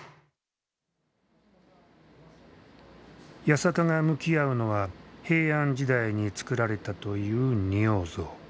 八坂が向き合うのは平安時代につくられたという仁王像。